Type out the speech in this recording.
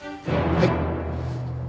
はい。